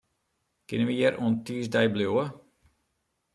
Kinne wy hjir oant tiisdei bliuwe?